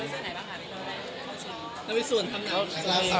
นางเทศไหนบ้างครับ